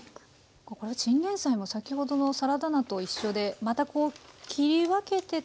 これはチンゲンサイも先ほどのサラダ菜と一緒でまたこう切り分けて食べる楽しみがあるんですね。